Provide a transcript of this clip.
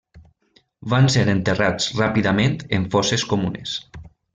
Van ser enterrats ràpidament en fosses comunes.